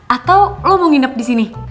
atau lu mau nginep disini